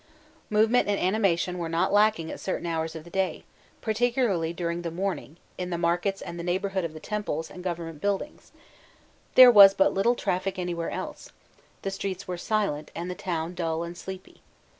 Movement and animation were not lacking at certain hours of the day, particularly during the morning, in the markets and in the neighbourhood of the temples and government buildings: there was but little traffic anywhere else; the streets were silent, and the town dull and sleepy.